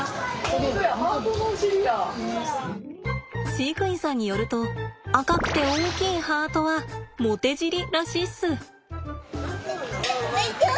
飼育員さんによると赤くて大きいハートはモテ尻らしいっす。